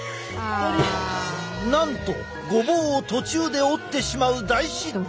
なんとごぼうを途中で折ってしまう大失態。